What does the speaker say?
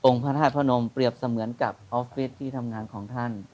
พระธาตุพระนมเปรียบเสมือนกับออฟฟิศที่ทำงานของท่าน